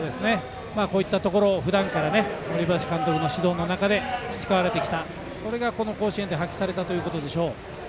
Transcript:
こういったところふだんから森林監督のもと培われてきたものが甲子園で発揮されたということでしょう。